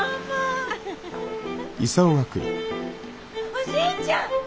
おじいちゃん！